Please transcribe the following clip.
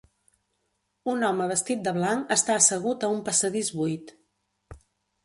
un home vestit de blanc està assegut a un passadís buit